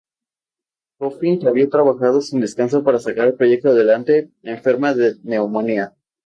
Coffin, que había trabajado sin descanso para sacar el proyecto adelante, enferma de neumonía.